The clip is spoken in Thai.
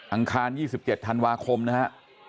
อังคาร๒๗ธันวาคมนะฮะ